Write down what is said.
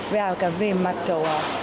và cả về mặt kiểu